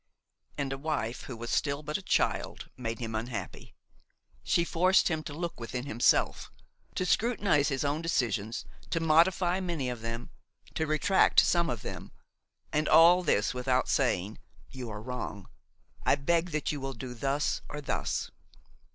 And a wife who was still but a child had made him unhappy! She forced him to look within himself–to scrutinize his own decisions, to modify many of them, to retract some of them–and all this without saying: "You are wrong; I beg that you will do thus or thus."